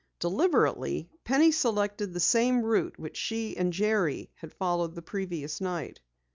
Deliberately, Penny selected the same route which she and Jerry had followed the previous night.